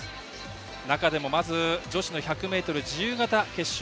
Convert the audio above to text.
中でもまず女子の１００ｍ自由形決勝